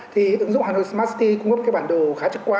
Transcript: thì ứng dụng hà nội smart city cung cấp cái bản đồ khá trực quan